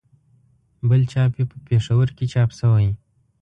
بل چاپ یې په پېښور کې چاپ شوی.